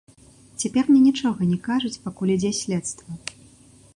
Цяпер мне нічога не кажуць, пакуль ідзе следства.